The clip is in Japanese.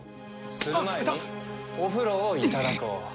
お風呂をいただこう。